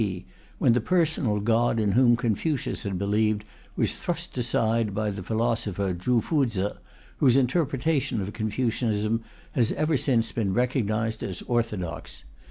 D., when the personal God in whom Confucius had believed was thrust aside by the philosopher Chu Fu Tze, whose interpretation of Confucianism has ever since been recognized as orthodox.